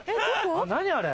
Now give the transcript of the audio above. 何あれ。